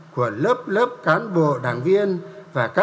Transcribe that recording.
của lớp lớp cán bộ đảng viên và các